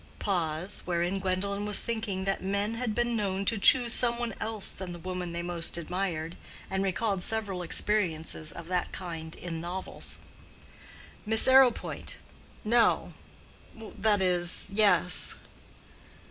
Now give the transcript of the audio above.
(Pause, wherein Gwendolen was thinking that men had been known to choose some one else than the woman they most admired, and recalled several experiences of that kind in novels.) "Miss Arrowpoint. No—that is, yes."